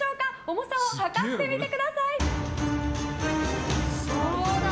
重さを量ってみてください！